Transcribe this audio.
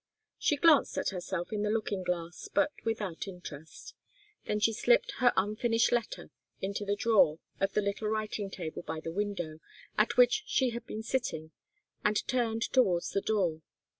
She glanced at herself in the looking glass, but without interest. Then she slipped her unfinished letter into the drawer of the little writing table by the window, at which she had been sitting, and turned towards the door.